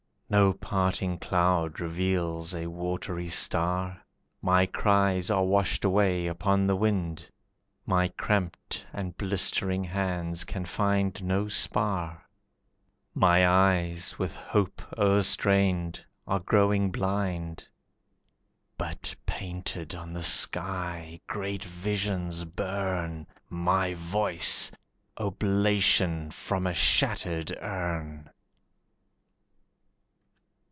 No parting cloud reveals a watery star, My cries are washed away upon the wind, My cramped and blistering hands can find no spar, My eyes with hope o'erstrained, are growing blind. But painted on the sky great visions burn, My voice, oblation from a shattered urn!